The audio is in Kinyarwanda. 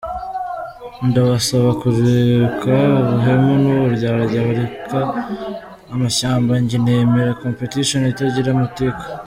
Ndabasaba kureka ubuhemu n’uburyarya, bareke amashyamba njye nemera competition itagira amatiku.